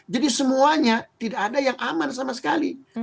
jadi semuanya tidak ada yang aman sama sekali